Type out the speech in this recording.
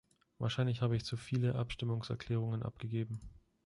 Wahrscheinlich habe ich zu viele Abstimmungserklärungen abgegeben!